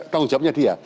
tahu jawabnya dia